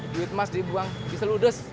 duit mas dibuang di seludes